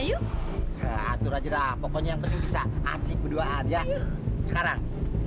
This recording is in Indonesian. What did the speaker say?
orang orang sana yuk pokoknya yang penting bisa asyik berduaan ya sekarang